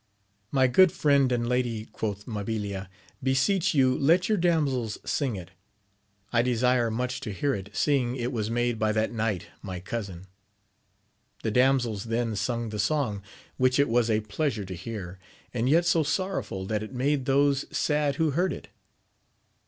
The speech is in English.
My good friend 304 AMADI8 OF OAUL. ' and lady, quoth Mabilia, beseecli you let your damsels sing it ! I desire much to hear it, seeing it was made by that knight, my cousin. The damsels then sung the song, which it was a pleasure to hear, and yet so sorrowful that it made those sad who heard it.